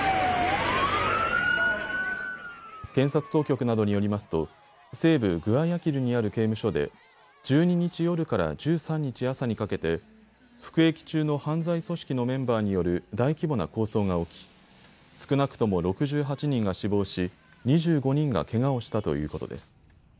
検察当局などによりますと西部グアヤキルにある刑務所で１２日夜から１３日朝にかけて服役中の犯罪組織のメンバーによる大規模な抗争が起き少なくとも６８人が死亡し２５人がけがをしたということです。